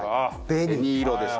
紅色です。